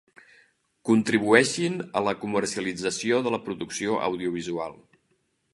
Contribueixin a la comercialització de la producció audiovisual.